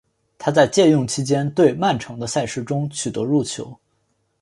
他在借用期间对曼城的赛事中取得入球。